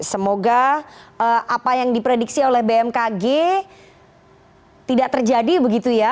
semoga apa yang diprediksi oleh bmkg tidak terjadi begitu ya